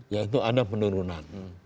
yaitu ada penurunan